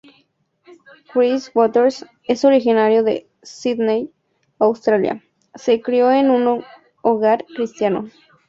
Chris Waters, es originario de Sydney, Australia, se crio en un hogar cristiano.